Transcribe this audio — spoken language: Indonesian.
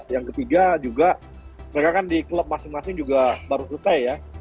yang ketiga juga mereka kan di klub masing masing juga baru selesai ya